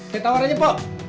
teh tawar aja po